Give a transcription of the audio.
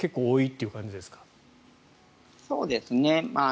そうですね。